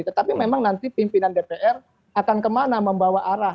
tetapi memang nanti pimpinan dpr akan kemana membawa arah